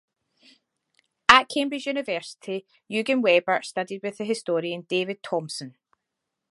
At Cambridge University, Eugen Weber studied with the historian David Thomson.